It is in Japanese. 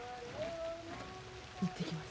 行ってきます。